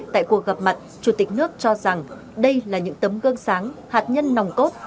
tại cuộc gặp mặt chủ tịch nước cho rằng đây là những tấm gương sáng hạt nhân nòng cốt